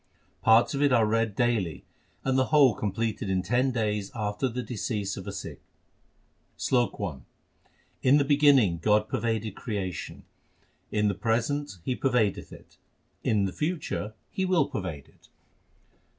Parts of it are read daily, and the whole completed in ten days after the decease of a Sikh : SLOK I In the beginning God pervaded creation, in the present He pervadeth it, and in the future He will pervade it.